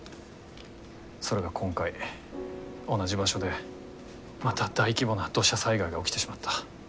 それが今回同じ場所でまた大規模な土砂災害が起きてしまった。